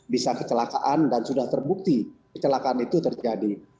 bisa kecelakaan dan sudah terbukti kecelakaan itu terjadi